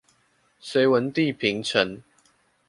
隋文帝平陳